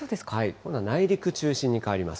今度は内陸中心に変わります。